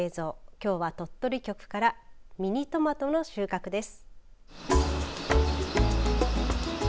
きょうは鳥取局からミニトマトの収穫です。